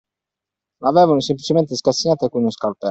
L'avevano semplicemente scassinata con uno scalpello.